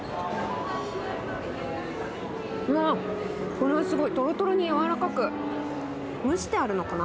うわこれはすごいとろとろにやわらかく蒸してあるのかな？